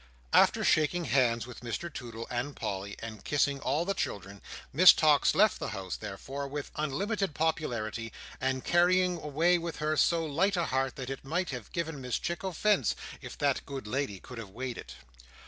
After shaking hands with Mr Toodle and Polly, and kissing all the children, Miss Tox left the house, therefore, with unlimited popularity, and carrying away with her so light a heart that it might have given Mrs Chick offence if that good lady could have weighed it.